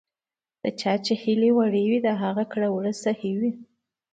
د چا چې هیلې وړې وي، د هغه کړه ـ وړه صحیح وي .